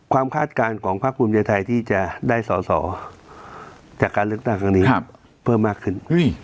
ความคาดการณ์ของภาคคุมเยียนไทยที่จะได้ส่อจากการเลือกตั้งตั้งนี้เพิ่มมากขึ้น